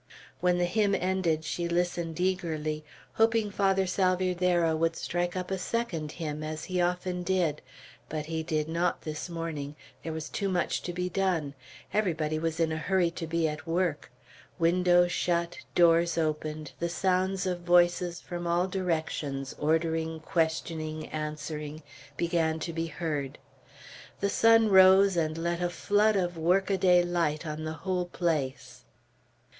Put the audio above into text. When the hymn ended, she listened eagerly, hoping Father Salvierderra would strike up a second hymn, as he often did; but he did not this morning; there was too much to be done; everybody was in a hurry to be at work: windows shut, doors opened; the sounds of voices from all directions, ordering, questioning, answering, began to be heard. The sun rose and let a flood of work a day light on the whole place.